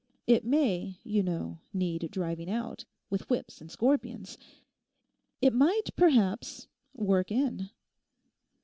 It may, you know, need driving out—with whips and scorpions. It might, perhaps, work in.